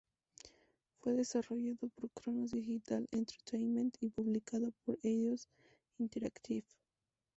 Fue desarrollado por Kronos Digital Entertainment y publicado por Eidos Interactive.